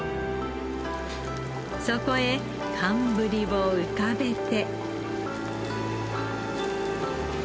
そこへ寒ブリを浮かべて。